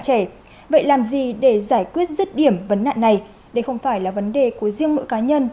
trẻ vậy làm gì để giải quyết rứt điểm vấn nạn này đây không phải là vấn đề của riêng mỗi cá nhân